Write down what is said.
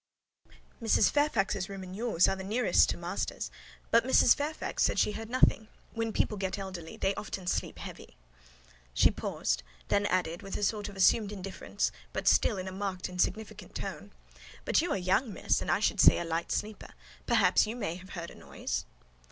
Mrs. Fairfax's room and yours are the nearest to master's; but Mrs. Fairfax said she heard nothing: when people get elderly, they often sleep heavy." She paused, and then added, with a sort of assumed indifference, but still in a marked and significant tone—"But you are young, Miss; and I should say a light sleeper: perhaps you may have heard a noise?"